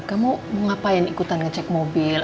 kamu ngapain ikutan ngecek mobil